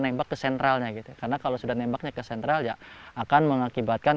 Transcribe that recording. menembak kesentralnya gitu karena kalau sudah nembaknya kesentral ya akan mengakibatkan